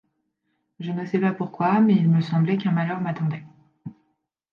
Je ne sais pas pourquoi, mais il me semblait qu'un malheur m'attendait.